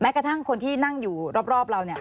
แม้กระทั่งคนที่นั่งอยู่รอบเรา